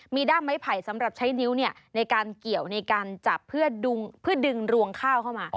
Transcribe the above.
ด้ามไม้ไผ่สำหรับใช้นิ้วในการเกี่ยวในการจับเพื่อดึงรวงข้าวเข้ามา